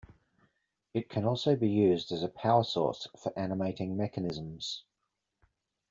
It can also be used as a power source for animating mechanisms.